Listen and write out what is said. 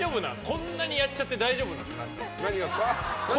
こんなにやっちゃって大丈夫なの？